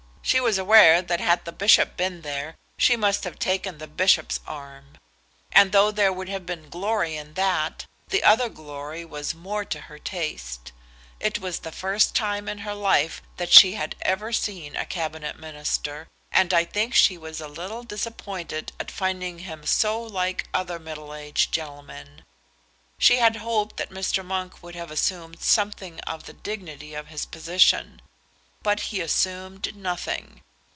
She was aware that had the bishop been there, she must have taken the bishop's arm. And though there would have been glory in that, the other glory was more to her taste. It was the first time in her life that she had ever seen a Cabinet Minister, and I think that she was a little disappointed at finding him so like other middle aged gentlemen. She had hoped that Mr. Monk would have assumed something of the dignity of his position; but he assumed nothing.